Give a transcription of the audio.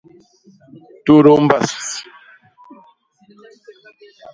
Tudu i mbas.